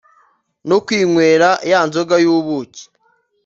no kwinywera ya nzoga y’ubuki